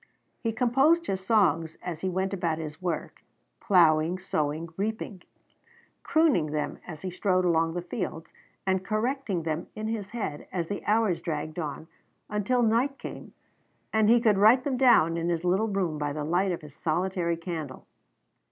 He composed his songs as he went about his work, plowing, sowing, reaping; crooning them as he strode along the fields, and correcting them in his head as the hours dragged on, until night came, and he could write them down in his little room by the light of his solitary candle.